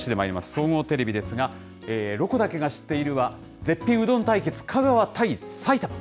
総合テレビですが、ロコだけが知っているは、絶品うどん対決、香川対埼玉です。